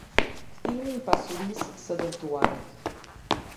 Kthimi i pasurisë të dëmtuarit.